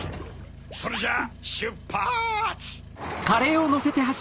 それじゃあしゅっぱつ！